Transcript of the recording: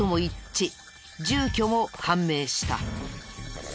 住居も判明した。